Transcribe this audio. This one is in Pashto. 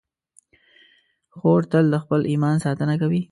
خور تل د خپل ایمان ساتنه کوي.